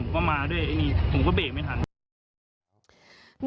ก็มาด้วยผมก็เบรกไม่ทันครับ